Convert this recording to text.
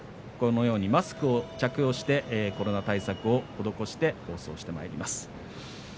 このようにマスクを着用してコロナ対策を施して放送をしてまいります。